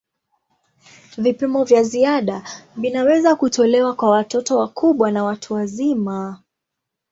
Vipimo vya ziada vinaweza kutolewa kwa watoto wakubwa na watu wazima.